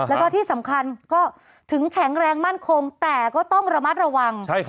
แล้วก็ที่สำคัญก็ถึงแข็งแรงมั่นคงแต่ก็ต้องระมัดระวัง